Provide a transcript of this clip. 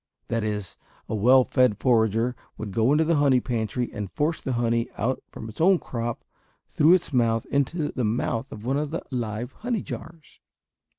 That is, a well fed forager would go into the honey pantry and force the honey out from its own crop through its mouth into the mouth of one of the live honey jars.